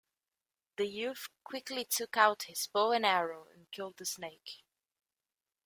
The youth quickly took out his bow and arrow and killed the snake.